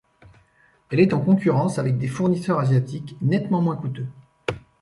Elle est en concurrence avec des fournisseurs asiatiques nettement moins coûteux.